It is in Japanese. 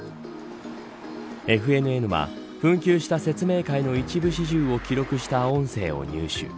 ＦＮＮは、紛糾した説明会の一部始終を記録した音声を入手。